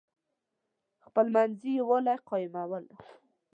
خپلمنځي یوالی قایمول.